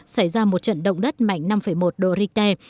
xảy ra một trận động đất mạnh năm một độ richter